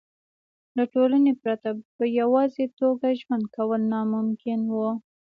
له ټولنې پرته په یوازې توګه ژوند کول ناممکن وو.